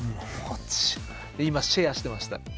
今シェアしてました。